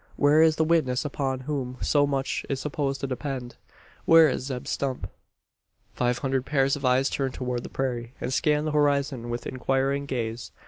Where is the witness upon whom so much is supposed to depend. Where is Zeb Stump? Five hundred pairs of eyes turn towards the prairie, and scan the horizon with inquiring gaze.